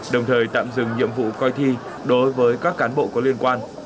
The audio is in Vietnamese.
đồng thời tạm dừng nhiệm vụ coi thi đối với các cán bộ có liên quan